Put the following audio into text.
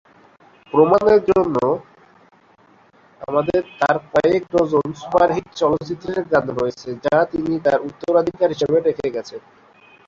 প্রমাণের জন্য, আমাদের তাঁর কয়েক ডজন সুপার-হিট চলচ্চিত্রের গান রয়েছে যা তিনি তাঁর উত্তরাধিকার হিসাবে রেখে গেছেন।